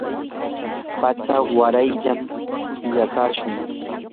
patsa warayllam illakushaq.